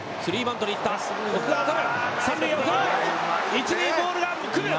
一塁にボールがくる。